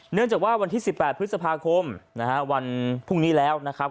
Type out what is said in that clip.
เนื่องจากว่าวันที่๑๘พฤษภาคมนะฮะวันพรุ่งนี้แล้วนะครับ